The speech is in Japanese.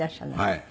はい。